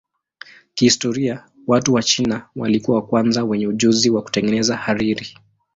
Kihistoria watu wa China walikuwa wa kwanza wenye ujuzi wa kutengeneza hariri.